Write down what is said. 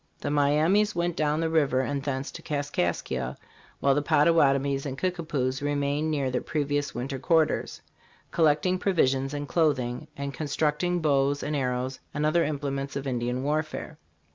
The Miamis went down the river and thence to Kaskaskia, while the Pottawatomies and Kicka poos remained near their previous winter quarters, collecting provisions and clothing, and constructing bows and arrows and other implements of Indian warfare.